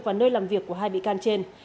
và nơi làm việc của hai bị can trên